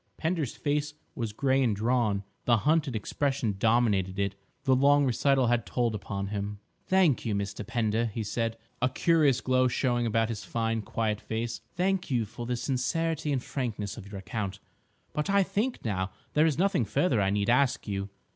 Pender's face was grey and drawn; the hunted expression dominated it; the long recital had told upon him. "Thank you, Mr. Pender," he said, a curious glow showing about his fine, quiet face; "thank you for the sincerity and frankness of your account. But I think now there is nothing further I need ask you."